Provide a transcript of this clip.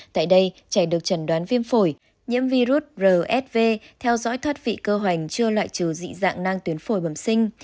tại đây trẻ được trần đoán viêm phổi nhiễm virus rsv theo dõi thoát vị cơ hoành chưa loại trừ dị dạng nang tuyến phổi bẩm sinh